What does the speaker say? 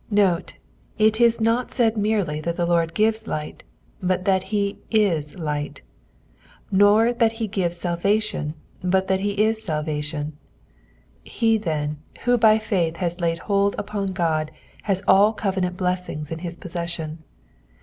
Note, it is not said merely that the Lord gives light, but that he " it " light ; nor that he gives wlVBtian, but that he is salvation ; he, then, who by faith has laid hold upon God liBS all covenant blessings in his po^esaion.